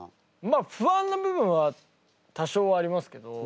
まあ不安な部分は多少ありますけど。